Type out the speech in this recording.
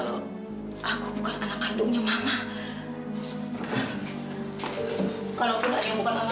sampai jumpa di video selanjutnya